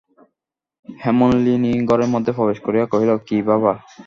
হেমনলিনী ঘরের মধ্যে প্রবেশ করিয়া কহিল, কী বাবা?